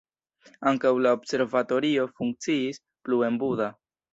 Ankaŭ la observatorio funkciis plu en Buda.